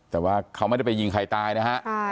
แต่ว่าเขาไม่ได้ไปยิงใครตายนะฮะ